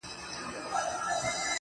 o مُلا سړی سو په خپل وعظ کي نجلۍ ته ويل.